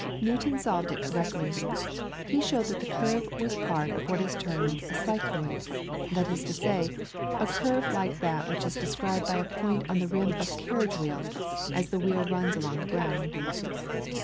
Newton solved it correctly; he showed that the curve was a part of what is termed a cycloid that is to say, a curve like that which is described by a point on the rim of a carriage wheel as the wheel runs along the ground.